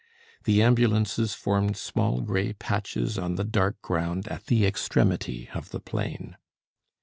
The ambulances formed small grey patches on the dark ground at the extremity of the plain.